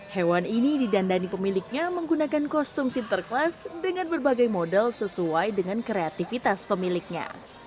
hewan ini didandani pemiliknya menggunakan kostum sinterklas dengan berbagai model sesuai dengan kreativitas pemiliknya